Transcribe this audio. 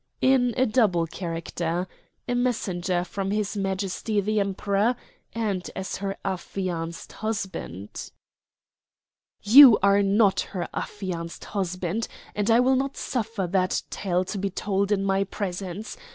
"In a double character a messenger from his Majesty the Emperor, and as her affianced husband." "You are not her affianced husband, and I will not suffer that tale to be told in my presence.